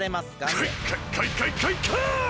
カイカイカイカイカイ！